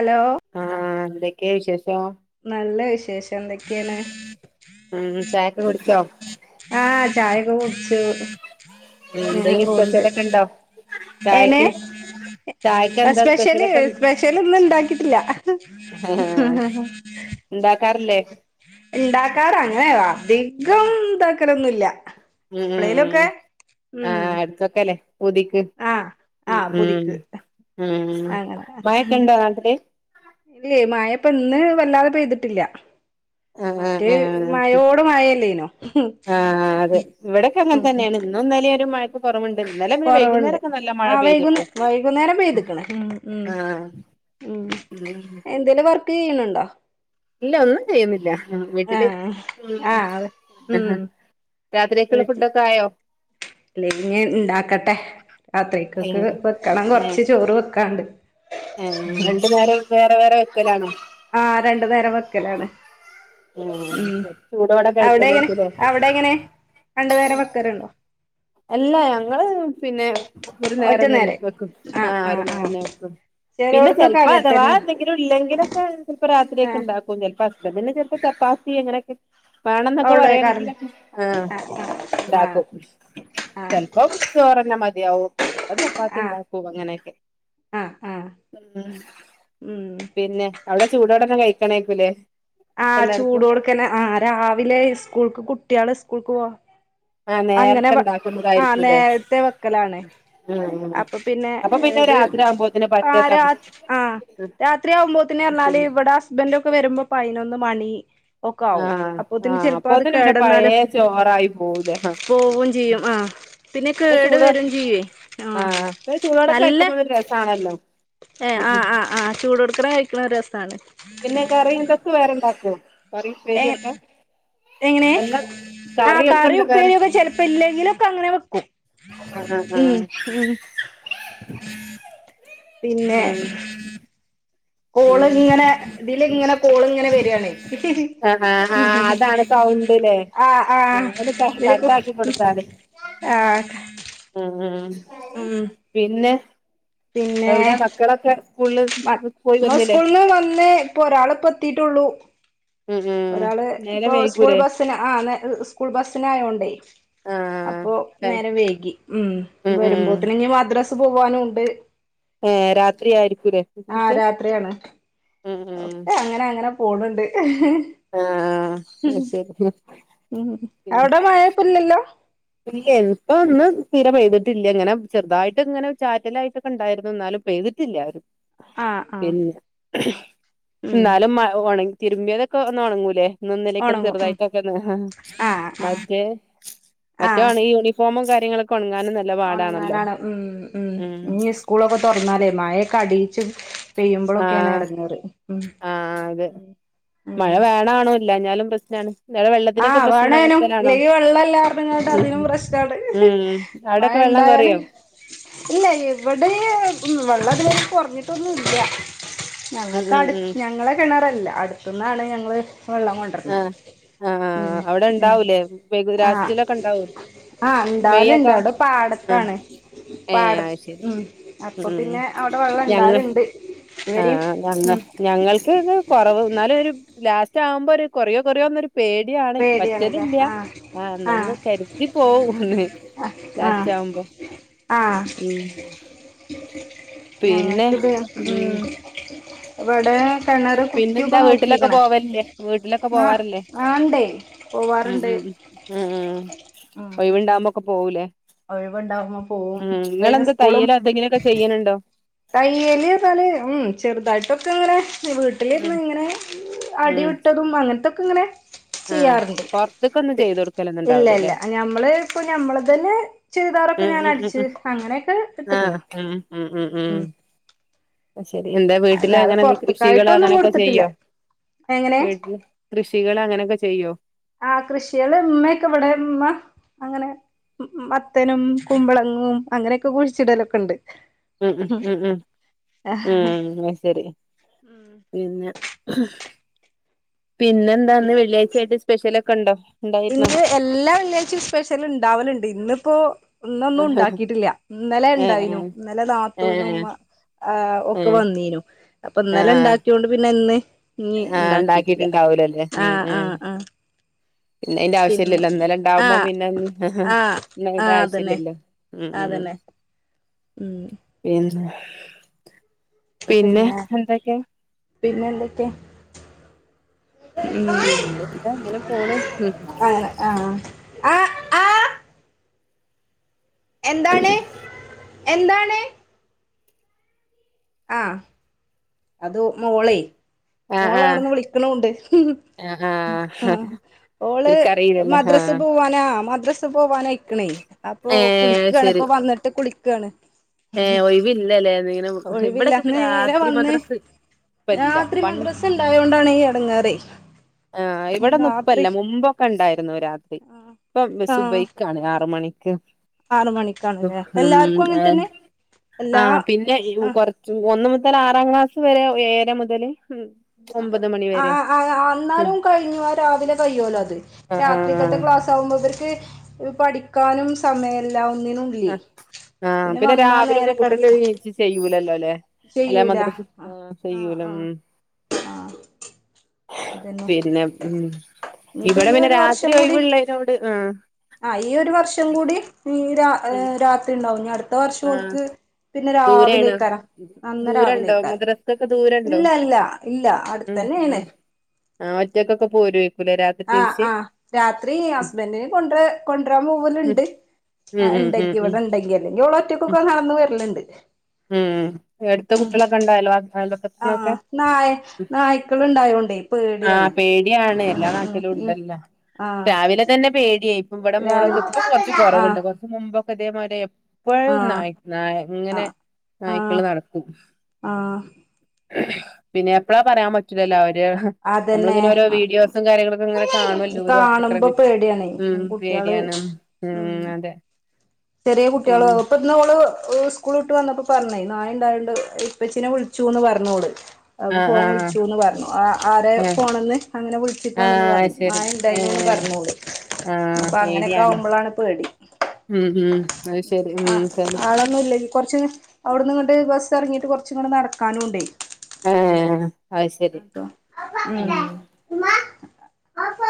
Hello. ആഹ് എന്തൊക്കേ വിശേഷോ. നല്ല വിശേഷം എന്തൊക്കേണ്. ഉം ചായക്കെ കുടിച്ചോ. ആഹ് ചായൊക്കെ കുടിച്ചു. ഉം ഇങ്ങനെ എന്തെങ്കി പോണ്ട് സ്പെഷ്യലൊക്കെണ്ടോ ചായക്ക്? ചായക്ക് എന്താ സ്പെഷല്, സ്പെഷ്യലൊക്കെ സ്പെഷല് ന്ന് ണ്ടാക്കിട്ടില്ല. ണ്ടാക്കാറില്ലേ? ഇണ്ടാക്കാറ് അങ്ങനെ അധികം താക്കലൊന്നൂല്ല. ഉം ആഹ് എടകൊക്കെലേ പൂതിക്ക്. ആഹ് ഉം, ആഹ് പുതിക്ക് ഉം, അങ്ങനെ മയെക്കണ്ടോ നാട്ടില്? ഇല്ലേ മയപ്പൊ ന്ന് വല്ലാതെ പെയ്തിട്ടില്ല. ആഹ് ആഹ് മറ്റേ ആഹ് മയോട് മയല്ലേനോ. ആഹ് അതെ വിടൊക്കെ അങ്ങൻ തന്നേണ് ഇന്നും ന്നലീ ഒരു മഴ. ക്ക് കുറവ്ണ്ട് ഇന്നലെ പിന്നെ കൊറവുണ്ട് വൈകുന്നേരൊക്കെ നല്ല മഴ ആഹ് വൈകുന്നേ പെയ്ത്ട്ടോ. വൈകുന്നേരം പെയ്ത്ക്ക്ണ് ഉം ഉം ആഹ്. ഉം. ഉം എന്തേലും വർക്ക് ചെയ്യ്ണ് ണ്ടോ? ഇല്ല ഒന്നും ചെയ്യുന്നില്ല. ആഹ് വീട്ടില് ആഹ് ആഹ് ഉം ഹ് രാത്രിയെക്ക്ള്ളെ ഫുഡൊക്കെ ആയോ? ല്ലെ ഞ്ഞി ണ്ടാക്കട്ടെ. ഏ രാത്രിക്ക്‌ക്ക് വെക്കണം കൊറച്ച് ചോറ് വെക്കാണ്ട്. ഏഹ് രണ്ട് നേരം വേറെ, വേറെ വെക്കലാണോ? ആഹ് രണ്ട് നേരം വെക്കലാണ്. ഉം. ചൂടോടെ കഴിക്കണേര്ക്കും ല്ലേ. ടെങ്ങനെ രണ്ട് നേരം വെക്കല്ണ്ടോ? അല്ലാ ഞങ്ങള് പിന്നെ ഒരു ഒറ്റ നേരതന്നെ നേരം വെക്കും. ആഹ് ഒരു നേരം തന്നെ വെക്കൊള്ളു. പിന്നെ ചെലോടത്തൊക്കെ ചെലപ്പോ അങ്ങനെ അഥവാ തന്നെ എന്തെങ്കിലും ഇല്ലെങ്കിലൊക്കെ ചെലപ്പോ രാത്രിയക്ക് ആഹ് ണ്ടാക്കും. ഒന്നിൽ പത്ത് ഒന്ന് ഇല്ലെങ്കിൽ ചെലപ്പോ ചപ്പാത്തി അങ്ങനെയൊക്കെ. വേണം എന്നൊക്കെ ഉള്ളേ കറി പറയാണെങ്കിലും ആഹ് ആഹ് ഉണ്ടാക്കും. ആഹ് ആഹ് ഔ ചോറ് തന്നെ മതിയാവും, ചെലപ്പൊ ആഹ് ചപ്പാത്തിയുണ്ടാക്കും അങ്ങനെയൊക്കെ. ആഹ് ആഹ് ഉം ഉം പിന്നെ അവിടെ ചൂടോടെ തന്നെ കഴിക്കണേക്കുല്ലേ. ആഹ് ചൂടോടുക്ക് തന്നെ ആഹ് രാവിലെ സ്കൂൾക്ക് കുട്ടികള് സ്കൂൾക്ക് പോവാൻ. ആഹ് അങ്ങനെ നേരത്തെ വെ ആഹ് ഉണ്ടാക്കുന്നതായിരിക്കൂല്ലേ നേരത്തെ വെക്കലാണ് ആഹ് അപ്പൊ. പിന്നെ അപ്പൊ പിന്നെ ഏത് രാത്രി ആവുമ്പോത്തിന് പറ്റേ ആരാ ആഹ്. തണു രാത്രിയാവുമ്പോത്തിന് എന്നാല് പോയി ഇവിടെ ഹുസ്ബൻഡ് ഒക്കെ വരുമ്പോ പയിനൊന്ന് മണി. ഒക്കെയാവും ആഹ് അപ്പോത്തേന് ആഹ് ചെലപ്പോ അത് അപ്പോത്തിന് പിന്നെ കേടുവന്നാല്. പഴയ ചോറായി പോവൂലേ ആഹ്. പോവും ചെയ്യും ആഹ് പിന്നെ കേട് ചൂടോ വരും ചെയ്യുവേ ആഹ്. ചൂടോടെ നല്ല കഴിക്കുമ്പോ ഒരു രസയാണല്ലോ. ഏഹ് ആഹ് ആഹ് ആഹ് ചുടോടെ കഴിക്കുന്നെരു രസാണ്. പിന്നെ കറി ഇതൊക്കെ വേറെ ഉണ്ടാക്കുവോ, കറി ഉപ്പേരി ഏഹ് ഒക്കെ. എങ്ങനെ ആഹ് കറി വേറെ ഉപ്പേരിയൊക്കെ ചെലപ്പോ ഇല്ലെങ്കിലൊക്കെ അങ്ങനെ വെക്കും. ആഹ് ആഹ് ഉം ഉം പിന്നെ ഉം കോള് ഉം ഇങ്ങനെ ഇതില് ഇങ്ങനെ കോള് ഇങ്ങനെ വരാണ്. ആഹ് ആഹ് ആഹ് അതാണ് സൗണ്ട്ല്ലേ ആഹ് ആഹ് ഒന്ന് ഇതിലിപ്പോ കട്ടാക്കി ഉം. കൊടുത്താതി ആഹ് ഉം ഉം ഉം പിന്നെ എവിടെ മക്കളൊക്കെ? സ്കൂളില് പോയി [unintelligible] വന്നില്ലേ സ്കൂൾ നിന്ന് വന്നെ, ഇപ്പോ ഒരാള് ഇപ്പോ എത്തിയിട്ടേയുള്ളൂ. ഉം ഉം ഒരാള് ഇപ്പോ നേരം സ്കൂൾ വൈകൂലേ ബസ്. ത്തിന് ആഹ് നേ സ്കൂൾ ബസിന് ആയോണ്ട്, ആഹ് അപ്പോ ടൈം നേരം വൈകി ഉം. വരുമ്പോത്തിന് ഇനി മദ്രസിൽ പോവാനുണ്ട്. ഏഹ് രാത്രി ആയിരിക്കൂലേ ആഹ് മദ്രസ രാത്രിയാണ്. ഉം ഉം ഒക്കെ അങ്ങനെ അങ്ങനെ പോണുണ്ട്. ആഹ് അത് ശരി ഉം അവിടെ മഴ ഇപ്പോ ഇല്ലല്ലോ? ഇല്ല ഇപ്പം ഒന്ന് തീരെ പെയ്തിട്ടില്ല, ഇങ്ങനെ ചെറുതായിട്ട് ഇങ്ങനെ ചാറ്റലായിട്ടൊക്കെ ഉണ്ടായിരുന്നു എന്നാലും. പെയ്തിട്ടില്ല ആഹ് ആഹ് പിന്നെ ഉം എന്നാലും മഴ ഉണങ്ങി തിരുമ്പിയതൊക്കെ ഒന്ന് ഉണങ്ങൂലേ. ഇന്നും ഇന്നലൊക്കെ ഒണങ്ങും ഉം ചെറുതായിട്ടൊക്കെന്ന ആഹ് ആഹ് മറ്റേ. മറ്റേ ഉണങ്ങിയ യൂണിഫോമും കാര്യങ്ങളൊക്കെ ഒണങ്ങാനും നേ ഉണങ്ങാനാണ് ഉം ഉം ഇന്ന്. സ്കൂളൊക്കെ തൊറന്നാല് മഴയൊക്കെ അടിയിച്ച് പെയ്യുമ്പോഴൊക്കെയാണ് ആഹ് എടങ്ങേറ്. ഉം ആഹ് അതെ മഴ ഉം വേണാണോ ഇല്ലായ്ഞ്ഞാലും പ്രശ്നാണ്. ഇന്നലെ വെള്ളത്തിനൊക്കെ ആഹ് പ്രശ്നം ഉണ്ടാകുന്ന വേണേനും സ്ഥലാണോ ഇല്ലെങ്കിൽ വെള്ളം ഇല്ല പറഞ്ഞേങ്ങോണ്ട് അതിനും പ്രശ്നാണ്. ഉം മഴ അവിടൊക്കെ വെള്ളം ഇണ്ടായാല്. കൊറയോ ഇല്ല ഇവിടെ വെള്ളം ഇതുവരെ കൊറഞ്ഞിട്ടൊന്നും ഇല്ല. ഉം ഞങ്ങൾക്ക് ഉം അടു ഉം ഞങ്ങളെ കിണർ അല്ല അടുത്തെന്നാണ് ഞങ്ങള് വെള്ളം കൊണ്ടുവരാല്. ആഹ് ആഹ് അവിടെ ഉണ്ടാവൂലേ ബേക്കു ആഹ് ലാസ്റ്റിലൊക്കെ ഉണ്ടാവോ. ആഹ് ഉണ്ടാവലുണ്ട് അവിടെ ആഹ് പാടത്താണ്. ഏഹ് പാടം അത് ശരി ഉം അപ്പോ ഉം പിന്നെ അവിടെ വെള്ളം ഞങ്ങ ഇണ്ടാവലുണ്ട്. ആഹ് ഞങ്ങ ഞങ്ങൾക്ക് ഇത് കൊറവ് എന്നാലും ഒരു ലാസ്റ്റ് ആവുമ്പോ ഒരു കൊറയോ കൊറയോന്നൊരു. പേടിയാണ് വറ്റലില്ല ആഹ് അന്നാന്ന് കരുതി പോകും ഒന്ന് ആഹ് ലാസ്റ്റ് ആവുമ്പോ. ആഹ് ഉം പിന്നെ ഞങ്ങൾക്കിത് ഉം ഇവിടെ. കിണറ് കുത്തിയൊക്കെ പിന്നെന്താ വീട്ട്ലൊക്കെ നോക്കിക്കണ് പോവല്ലേ വീട്ട്ലൊക്കെ ആ പോവാറ്ല്ലേ ആണ്ടേ ഉം പോവാറുണ്ട് ഉം ഉം ഉം ഒഴിവ്ണ്ടാകുമ്പോക്കെ പോവും ലെ ഒഴിവുണ്ടാവുമ്പോ പോവും ഉം ഇപ്പ ഇനി ങ്ങളെന്താ സ്കൂളും തയ്യലോ എന്തെങ്കിലൊക്കെ ചെയ്യല്ണ്ടോ തയ്യല് ന്നാല് ഉം ചെറുതായിട്ടൊക്കെങ്ങനെ വീ ഉം ട്ടിലിരുന്ന് ങ്ങനെ ഉം അടിവിട്ടതും അങ്ങൻത്തൊക്കെ ങ്ങനെ ചെയ്യാറ്ണ്ട് ത്ക്കൊന്ന് ചെയ്തൊട് ഇല്ല ല്ല ഞമ്മള്പ്പോ ഞമ്മള്തെന്നെ ചുരിദാറൊക്കെ ഉം ഉം ഉം ഞാനടിച്ച് ഉം അങ്ങനെക്കെ ഇട്ട്ക്ക്‌ണ് ആഹ് ഉം ഉം ഉം ഉം അത് ശെരി എന്തെ വീട്ടില് അല്ലാതെ അങ്ങനെ കൃഷികള് പൊറത്ത്ക്കായിട്ടൊന്നും അങ്ങനൊക്കെ കൊടുത്തിട്ടില്ല ചെയ്യോ എങ്ങനെ വീട്ട്ല് കൃഷികളങ്ങനൊക്കെ ചെയ്യോ ആ കൃഷിയാള് ഇമ്മയൊക്കെ ഇവിടെ ഇമ്മ അങ്ങനെ ഉം ഉം മത്തനും കുമ്പളങ്ങും അങ്ങനൊക്കെ കുഴിച്ചിടലൊക്കെണ്ട് ഉം ഉം ഉം അത് ശെരി പിന്നെ പിന്നെന്താ ന്ന് വെള്ളിയാഴ്ച്ചായ്ട്ട് സ്പെഷ്യലൊക്കെ ണ്ടോ ഇന്ന് എല്ലാ വെള്ളിയാഴ്ചയും സ്പെഷ്യല്ണ്ടാവല്ണ്ട് ഇന്നിപ്പോ ഇന്നൊന്നും ണ്ടാക്കിട്ടില്ല ഇന്നലെ ഏ ണ്ടായിനു ഇന്നലെ ഏ ഏ നാത്തൂനും മ ആ ഏ ഒക്കെ വന്നീനു അപ്പൊ ആ ഇന്നലെ ഇണ്ടാക്ക്യോണ്ട് പിന്നെന്ന് ആ ണ്ടാക്കിട്ട്ണ്ടാവൂലല്ലെ ഉം ആ ഉം ആ പിന്നെ അയ്ന്റെ പിന്നെ ആവശ്യല്ലല്ലോ ഇന്നലെ ആ ണ്ടാവുമ്പോ പിന്നെ ആ ആ ന്നയ്ന്റെ അതന്നെ ആവശ്യല്ലല്ലോ ഉം ഉം അതന്നെ ഉം പിന്നെ പിന്നെ പിന്നെന്തൊക്കെ പിന്നെന്താ അങ്ങനെ പോണ് അങ്ങനെ ആ ആ എന്താണ് എന്താണ് ആ അത് മോളേ ആ ആ മോളവ്ട്ന്ന് വിളിക്കിണുണ്ട് ആ ഓള് ഓൽക്കറിയില്ലല്ലോ മദ്രസ് ആഹ് പോവാനാ മദ്രസ് സ് പോവാനയിക്ക്‌ണേ അപ്പൊ ഏഹ് കുളിക്കാണ് ഇപ്പ വന്ന്ട്ട് കുളിക്കാണ് ഏ ഒയ് വില്ലല്ലേ [unintelligible] ഒഴിവില്ല ഇവിടെക്കെപ്പ നേരെ രാത്രി വന്ന് മദ്രസ് ഇപ്പല്ല രാത്രി പൺ മദ്രസ് ണ്ടായോണ്ടാണെ ഈ എടങ്ങേറെ ആ ഇവിടെന്നപ്പല്ല മുമ്പൊക്കെ ണ്ടായിരുന്നു രാത് ഇപ്പം ആ സുബൈക്കാണ് ആറ് മണിക്ക് ആറ് മണിക്കാണല്ലേ ഉം എല്ലാർക്കും അങ്ങനെ തന്നെ ആ എല്ലാ പിന്നെ ആ കൊർ ച്ച് ഒന്ന് മുതൽ ആറാം ക്ലാസ് വെരെ ഏയര മുതൽ ആ ആ അന്നാലും കഴിഞ്ഞോലൊ രാവിലെ കയ്യോലൊ അത് ആഹ് ആഹ് രാത്രിക്കത്തെ ക്ലാസ് [unintelligible] പഠിക്കാനും സമയല്ല ഒന്നിനും ഇല്ലേ ആ ആ പിന്നെ വന്നാ നേരെ രാവിലൊന്നും കുട്ട്യാള് കിടക്ക ണീച്ച് ചെയ്യൂലല്ലോ ല്ലേ അല്ല ചെയ്യൂല മദ്രസ് ഹ ആ ആ ചെയ്യുല ആ ഉം ആ അതന്നെ പിന്നെ ഉം ഇനിയിപ്പോ ഇവടെ ഈ പിന്നെ ഒരു രാത്രി വർഷം കൂടി ഒയ്വ്ള്ളേനോണ്ട് ഉം ആ ഈ ഒരു വർഷം കൂടി ഈ ഉം രാത്രി ണ്ടാവും അടുത്ത ആ വർഷോൽക്ക്‌ പിന്നെ ദൂരെയാണ് രാവിലെക്കാരം നന്ന ദൂരണ്ടോ രാവിലേക്കാരം മദ്രസക്കൊക്കെ ദൂരണ്ടോ ഇല്ല ല്ല ഇല്ല ഉം അട്ത്തെന്നെണ് ഉം [inaudible] ആ ഒറ്റയ്ക്കൊക്കെ പോരോ ആ ആ രാത്രി ഉം ഹസ്ബന്റിന് കൊണ്ട്രാ കൊണ്ട്രാൻ ഉം പോവല്ണ്ട് ആ ഉം ഉം ഉം ണ്ടെങ്കി ഉം ഇവടെണ്ടെങ്കില് ല്ലെങ്കി ഉം ഓളൊറ്റക്കെന്നെ നടന്ന് വെരല്ണ്ട് ഉം ഏട്ത്ത കുട്ട്യാളെക്കണ്ട അയൽവാ അയൽവക്ക്ത്ത് ആ നായ് നായ്ക്കള് ണ്ടായോണ്ടേ ആഹ് പേടിയാണ് എല്ലാ ഉം നാട്ടിലുണ്ടല്ലാ ആഹ് രാവിലെ തന്നെ പേടി ഇവിടെ മോളൊക്കെ ഇപ്പൊ രാവിലത്തെ കൊറച്ച് കൊറവുണ്ട് ആഹ് കൊറച്ച് മുമ്പൊക്കെ തേമാരിയേ ഇപ്പോഴും ആഹ് നായ് നായ് ഇങ്ങനെ ആഹ് ആഹ് നായ്ക്കള് നടക്കു. ആഹ് പിന്നേപ്പളാ പറയാ പറ്റൂലല്ലോ അവര്. അതന്നെ നമ്മളിങ്ങനെ ഓരോ വീഡിയോസും കാര്യങ്ങളൊക്കെങ്ങനെ കാണുല്ലോ. ഒരു അപക്ര. കാണുമ്പോ പേടിയാണേ ഉം കുട്ടികള് പേടിയാണ്. ഉം അതെ ചെറിയ പിന്നെ കുട്ട്യളോകു ഇന്നോള് സ്കൂള്ട്ട് വന്നപ്പോ പറഞ്ഞേ നായ്ണ്ടായോണ്ട് ഇപ്പച്ചീനെ വിളിച്ചൂന്ന് പറഞ്ഞോള്. ആഹ് അപ്പഫോൺ ആഹ് വിളിച്ചൂന്ന് പറഞ്ഞു അ ആരെ ആഹ് ഫോണ്ന്ന് അങ്ങനെ വിളിച്ച്ക്കാണെന്ന് ആഹ് പറഞ്ഞു. ശരി നായെണ്ടായിന്നോള് ഏഹ് പറഞ്ഞോള് ആഹ് പേടിയാണ് പ്പാങ്ങനെക്കാവുമ്പളാണ് പേടി. ഉം ഉം അത് ശരി ഉം ആഹ് ശരി ആള്. കൊറച്ച് അവിടന്ന്ങ്ങട്ട് ബസ്സെറങ്ങിട്ട് കൊറച്ചുങ്ങട്ട് നടക്കാനുണ്ടേ. ആഹ് ആഹ് അയ് ശരി ഉം ഉം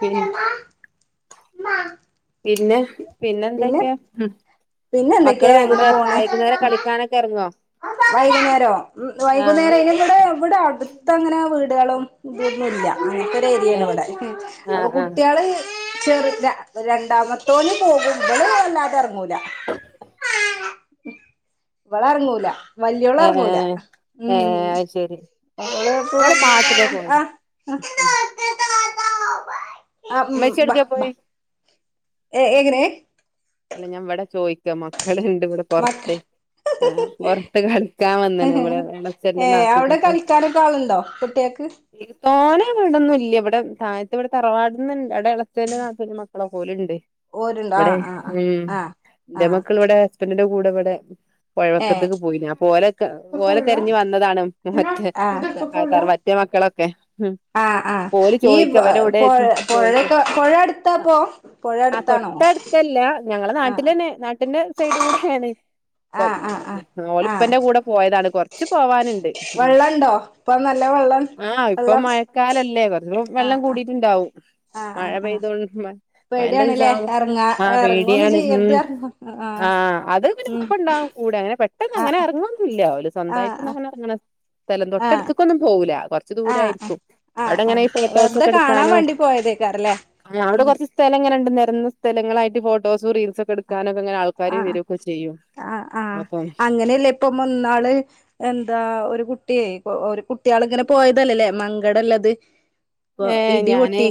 പിന് [inaudible] പിന്നെ പിന്നെ പിന്നെന്തെക്കെയാ ഉം പിന്നെ മക്കള് എന്തൊക്കെയാ അങ്ങനെ വൈകുന്നേരം വൈകുന്നേരം പോണ് കളിക്കാനക്കെ ക്കെറങ്ങോ വൈകുന്നേരോ ഉമ് വൈകുന്നേരയില്ല ഇവടെ ഇവ്ടടുത്തങ്ങനെ വീടുകളും ഒന്നുല്ല ഏഹ് ഇങ്ങനത്തൊരേരിയാണിവ്ടെ ഉമ് അപ്പൊ ആഹ് ആഹ് കുട്ടിയാള് ചെർതാ രണ്ടാമത്തോന് പോകും ബ്ള് വല്ലാതെറങ്ങൂല വ്ളെറങ്ങൂല വല്യോളെറങ്ങൂല ഉം ശെരി [unintelligible] അഹ് ആമ് ഉമ്മച്ചി ബാ എവിടക്കാ ബാ പോയെ ഏ ഏങ്ങനേ അല്ല ഞാവ്ടെ ചോയിക്കാ മക്കൾണ്ട് വ്ടെ മക്ക പൊറത്ത് പൊറത്ത് കളി ക്കാൻ വന്ന്ണ് വ്ടെ എളച്ചന്റെ ഏഹ് നാത്തു അവിടെ കളിക്കാനൊക്കെ ആളുണ്ടോ കുട്ടികൾക്ക് ന്റെക്കെ തോനെ വീടൊന്നുല്ല്യ വ്ടെ തായത്ത് ഇവ്ടെ തറവാടന്ന്ണ്ട് അവ്ടെ എളച്ചന് നാത്തൂന് മക്കള് ഓല്ട്ണ്ട് ഓര്ണ്ടാ ആഹ് ആഹ് ഉം ആഹ് ന്റെ ആഹ് മക്കൾ വ്ടെ ഹസ്ബൻറിന്റെ കൂടെ വ്ടെ പൊഴ ഏഹ് വക്കത്ക്ക് പോയിനി അപ്പൊ ഓലെക്കെ ഓലെ തെരഞ്ഞ് വന്നതാണ് ഉം മറ്റേ ആഹ് തറവാ റ്റേ മക്കള് ക്കെ ഉം ആഹ് ആഹ് ഓല് ഈ ചോയിക്ക ഇവരെവിടെ പൊഴ ചോയിക്ക പൊഴൊക്കെ പൊഴ അട്ത്താപ്പോ ആ തൊട്ടട്ത്ത്ല്ലാ ഞങ്ങളെ ആഹ് നാട്ടിലന്നെ നാട്ടിന്റെ സൈഡ് കൂടേണ് ക്കോ ആഹ് ആഹ് ആഹ് ആഹ് ഓലിപ്പേന്റെ കൂടെ പോയതാണ് കൊറച്ച് പോവാൻണ്ട് ഉമ് വെള്ളണ്ടോ ഇപ്പൊ നല്ല വെള്ളം വള്ളം കാലല്ലേ വെള്ളം വെള്ളം കൂടിട്ട്ണ്ടാവും ആഹ് മഴ ആഹ് ആഹ് പെയ്തോണ് പേടിയാണ്ല്ലേ മഴന്റിസം [unintelligible] പേടിയാണ് ഉം ചെയ്യരുത് പറഞ്ഞു ആ ആഹ് അത് പ്പന്റെ ഉം പ്പണ്ടാവും കൂടെ അങ്ങനെ പെട്ടന്നങ്ങനെ ആഹ് എറങ്ങൊന്നുല്ല ഓല് ആഹ് സ്വന്തായിട്ടങ്ങനെ എറങ്ങ്ണ സ്ഥലം ആഹ് തൊട്ടടുത്ത്ക്കൊന്നും പോവൂല കൊർ ച്ച് ആഹ് ആഹ് ദൂരായ്രിക്കും ആഹ് അവ്ടങ്ങനെ ആഹ് ഈ വെറുതെ കാണാൻ ഫോട്ടോസക്കെട്ക്കാനും വേണ്ടി പോയതേക്കാരല്ലേ അവ്ടെ ഉം കൊറച്ച് സ്ഥലംങ്ങനെണ്ട് നെരന്ന സ്ഥലങ്ങളായിട്ട് ഫോട്ടോസും റീൽസെക്കെടുക്കാനക്കെങ്ങനാൾക്കാ ക്കാര് ആഹ് വരൊക്കെ ചെയ്യും അപ്പം പ്പമ്മന്നാള് എന്താ ഒരു കുട്ടിയേ ഒരു കുട്ടിയാള്ങ്ങനെ പോയതല്ലല്ലേ! ! ! ! ! ! ! ! ! ! ഏഹ് ഞാന്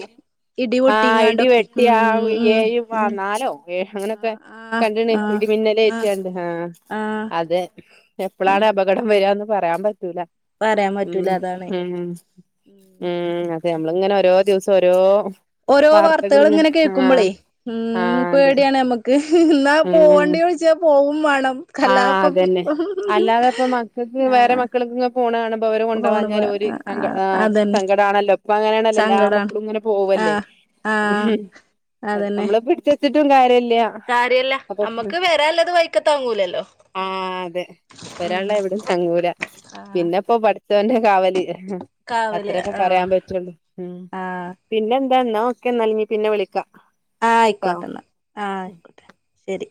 ഇടി ആഹ് ഇടി പൊട്ടിങ്ങാണ്ടൊക്കെ വെട്ടി ഉം ആ ഉം ഏഴ് ഉം പാനാലോ ഏഹ് അങ്ങനൊക്കെ ആഹ് കണ്ട്ണ് ആഹ് ആഹ് ആഹ് ഇടിമിന്നലേറ്റിയാണ്ട് ആഹ് ആഹ് അതെ ഉം എപ്പളാണ് അപകടം വരാന്ന് പറയാം പറ്റൂല പറയാൻ ഉം പറ്റൂല അതാണ് ഉം ഉം അതെ അമ്മള്ങ്ങനെ ഓരോ ദിവസം ഓരോ ഓരോ വാർത്തകളിങ്ങനെ വാർത്തകള്ങ്ങനെ ആഹ് കേക്കുമ്പളെ ഉം ആഹ് അതെ പേടിയാണ് അമ്മ ക്ക് ന്നാ പോണ്ടി വിൾച്ചാ പോവും മാണം ആ അതന്നെ അല്ലാതപ്പം മക്കക്ക് വേറെ ആഹ് മക്കൾക്ക്‌ങ്ങ പോണ കാണുമ്പോ അവര് ഫോണ് കൊണ്ടാവാഞ്ഞാല് ഓര് സങ്ക ആ അതന്നെ സങ്കടാണല്ലോ പ്പ അങ്ങനെണല്ലോ എല്ലാ മക്കളുങ്ങനെ പോവല്ലേ ആ അതെ അതന്നെ നമ്മള് പിടിച്ച് വെച്ചിട്ടും കാര്യല്ല കാര്യല്ല അപ്പൊ അമ്മക്ക് വരാല്ലത് വയി ക്ക് തങ്ങൂലല്ലോ ആ അതെ വരാള്ളെ എവിടിം തങ്ങൂല ആഹ് പിന്നെപ്പോ പട്ച്ചോന്റെ കാവൽ കാവല് അത്രേപ്പം ആഹ് പറയാം പറ്റാെള്ളൂ ഉം. ആഹ് പിന്നെന്താ ന്നാ ഓക്കെ ന്നാൽ ഇഞ് പിന്നെ വിളിക്കാ ആ ആയിക്കോട്ടന്നാ ആ ആയിക്കോട്ടെ ശെരി